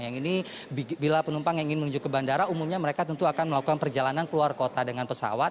yang ini bila penumpang yang ingin menuju ke bandara umumnya mereka tentu akan melakukan perjalanan keluar kota dengan pesawat